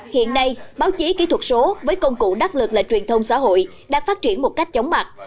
hiện nay báo chí kỹ thuật số với công cụ đắc lực lệch truyền thông xã hội đang phát triển một cách chống mặt